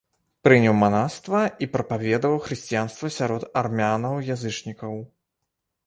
Прыняў манаства і прапаведаваў хрысціянства сярод армянаў-язычнікаў.